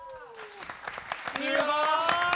すごい！